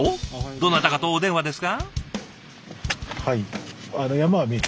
どなたかとお電話ですか？